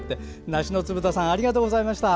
梨のつぶ太さんありがとうございました。